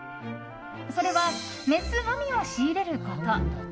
それはメスのみを仕入れること。